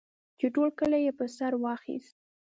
چې ټول کلی یې په سر واخیست.